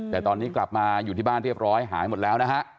แต่ตอนนี้กลับมาอยู่ที่บ้านเรียบร้อยหายหมดแล้วนะฮะ